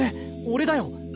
俺だよ。